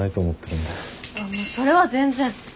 もうそれは全然。